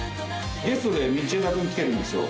ゲストで道枝君来てるんですよ。